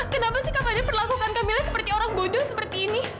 kenapa sih kak fadil perlakukan kamila seperti orang bodoh seperti ini